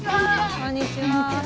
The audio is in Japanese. こんにちは。